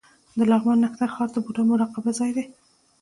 د لغمان نښتر غار د بودا مراقبه ځای دی